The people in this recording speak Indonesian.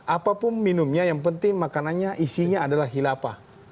apapun minumnya yang penting makanannya isinya adalah hilafah